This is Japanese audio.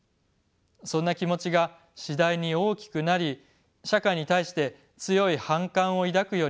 そんな気持ちが次第に大きくなり社会に対して強い反感を抱くようになっていきました。